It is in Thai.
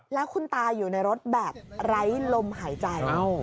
แล้วคุณตาอยู่ในรถแบบไร้ลมหายใจ